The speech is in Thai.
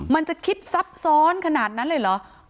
มันจะคิดซับซ้อนขนาดนั้นเลยเหรอ